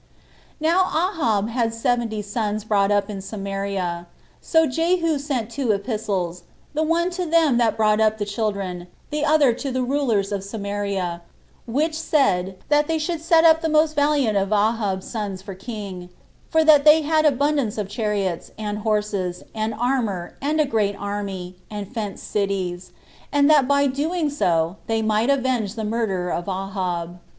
5. Now Ahab had seventy sons brought up in Samaria. So Jehu sent two epistles, the one to them that brought up the children, the other to the rulers of Samaria, which said, that they should set up the most valiant of Ahab's sons for king, for that they had abundance of chariots, and horses, and armor, and a great army, and fenced cities, and that by so doing they might avenge the murder of Ahab.